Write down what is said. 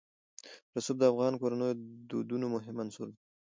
رسوب د افغان کورنیو د دودونو مهم عنصر دی.